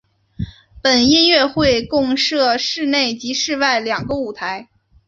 本音乐会共设室内及室外两个舞台。